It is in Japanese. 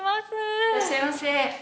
いらっしゃいませ。